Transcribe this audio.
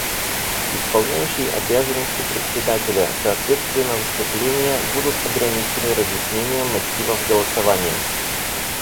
Исполняющий обязанности Председателя: Соответственно выступления будут ограничены разъяснением мотивов голосования.